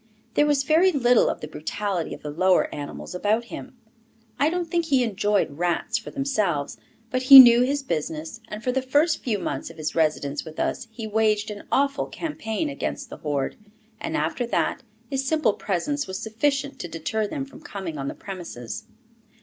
There was very little of the brutality of the lower animals about him; I don't think he enjoyed rats for themselves, but he knew his business, and for the first few months of his residence with us he waged an awful campaign against the horde, and after that his simple presence was sufficient to deter them from coming on the premises.